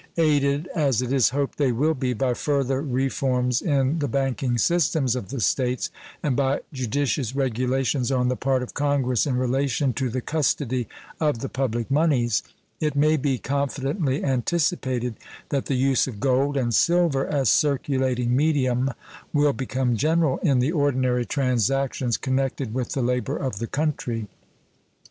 Aided, as it is hoped they will be, by further reforms in the banking systems of the States and by judicious regulations on the part of Congress in relation to the custody of the public moneys, it may be confidently anticipated that the use of gold and silver as circulating medium will become general in the ordinary transactions connected with the labor of the country.